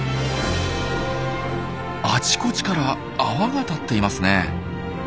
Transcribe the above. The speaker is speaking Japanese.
あちこちから泡が立っていますね。